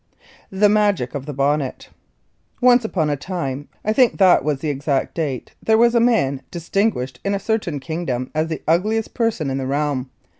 The Magic of The Bonnet. Once upon a time, I think that was the exact date, there was a man distinguished in a certain kingdom as the ugliest person in the realm.